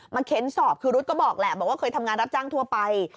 เค้นสอบคือรุ๊ดก็บอกแหละบอกว่าเคยทำงานรับจ้างทั่วไป